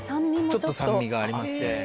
ちょっと酸味があります。